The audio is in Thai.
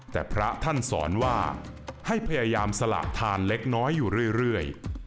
แต่พระท่านสอนว่าให้พยายามสละทานเล็กน้อยอยู่เรื่อย